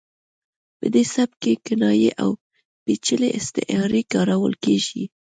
په دې سبک کې کنایې او پیچلې استعارې کارول کیږي